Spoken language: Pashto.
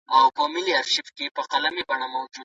آیا تاديبي وهل په شريعت کي سته؟